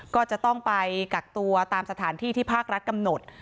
ก็จะต้องไปกักตัวตามสถานที่ที่ภาครัฐกำหนด